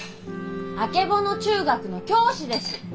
あけぼの中学の教師です！